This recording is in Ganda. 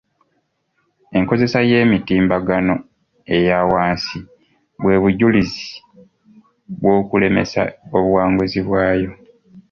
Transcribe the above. Enkozesa y'emitimbagano eyawansi bwe bujulizi bw'okulemesa obuwanguzi bwayo.